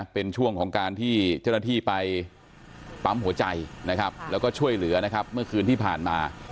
เป็นช่วงของการเจ้าหน้าที่ไปปั๊มหัวใจแล้วก็ช่วยเหลือเมื่อคืนที่ผ่านมา